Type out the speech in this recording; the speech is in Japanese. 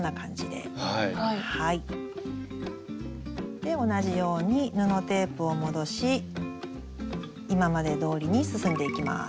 で同じように布テープを戻し今までどおりに進んでいきます。